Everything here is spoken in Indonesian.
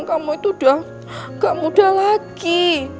kamu itu udah gak muda lagi